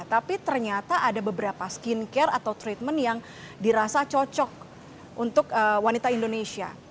tapi ternyata ada beberapa skincare atau treatment yang dirasa cocok untuk wanita indonesia